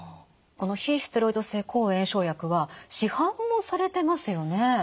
この非ステロイド性抗炎症薬は市販もされてますよね？